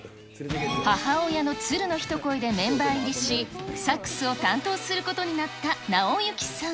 母親の鶴の一声でメンバー入りし、サックスを担当することになった尚之さん。